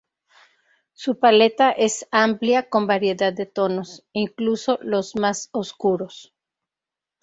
Su paleta es amplia, con variedad de tonos, incluso los más oscuros.